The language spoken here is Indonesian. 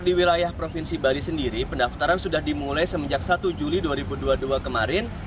pada saat ini di provinsi bali sendiri pendaftaran sudah dimulai semenjak satu juli dua ribu dua puluh dua kemarin